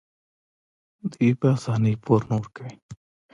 دوی په اسانۍ پور نه ورکوي.